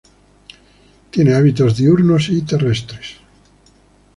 Tiene hábitos diurnos y terrestres.